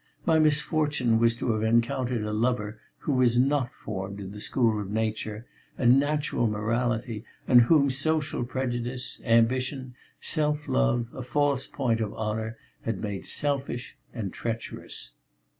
My misfortune was to have encountered a lover who was not formed in the school of nature and natural morality, and whom social prejudice, ambition, self love, a false point of honour had made selfish and treacherous."